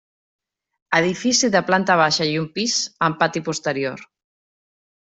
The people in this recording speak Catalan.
Edifici de planta baixa i un pis, amb pati posterior.